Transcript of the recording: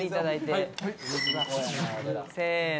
せの！